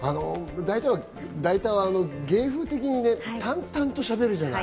だいたは芸風的に淡々としゃべるじゃない。